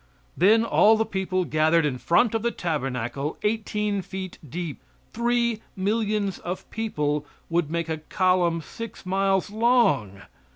Then all the people gathered in front of the tabernacle eighteen feet deep. Three millions of people would make a column six miles long.